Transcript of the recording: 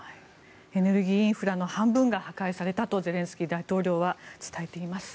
エネルギーインフラの半分が破壊されたとゼレンスキー大統領は伝えています。